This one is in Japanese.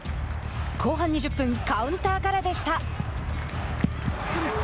後半２０分カウンターからでした。